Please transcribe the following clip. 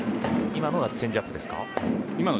今のはチェンジアップですね。